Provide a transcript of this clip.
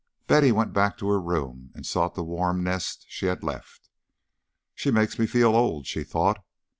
Betty went back to her room and sought the warm nest she had left. "She makes me feel old," she thought.